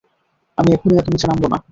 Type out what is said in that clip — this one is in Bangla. আমি কখনই এত নিচে নামব না।